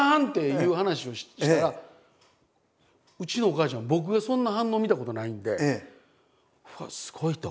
いう話をしたらうちのお母ちゃんは僕のそんな反応見たことないんで「うわっすごい」と。